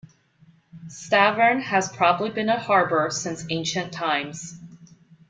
Stavern has probably been a harbour since ancient times.